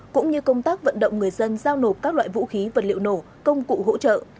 cũng như công tác vận động người dân giao nộp các loại vũ khí vật liệu nổ công cụ hỗ trợ